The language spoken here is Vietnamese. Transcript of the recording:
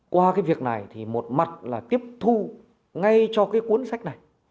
qua cái việc này thì một mặt là tiếp thu ngay cho cái cuốn sách này